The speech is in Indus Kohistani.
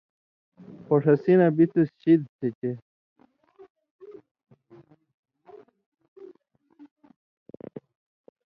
خو ݜسی نہ بِتُس شِدیۡ تھہ چے